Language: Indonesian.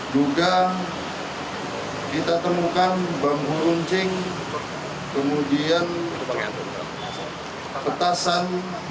juga kita temukan bambu runcing kemudian petasan